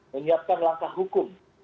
menyiapkan langkah hukum